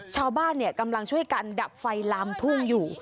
ชาวบ้านกำลังช่วยกันดับไฟลามทุ่งอยู่